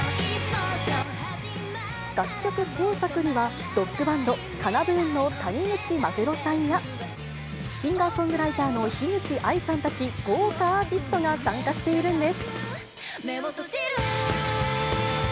楽曲制作には、ロックバンド、カナブーンの谷口鮪さんや、シンガーソングライターの樋口愛さんたち豪華アーティストが参加しているんです。